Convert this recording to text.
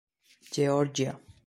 Geòrgia.